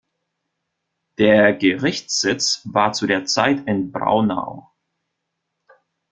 Der Gerichtssitz war zu der Zeit in Braunau.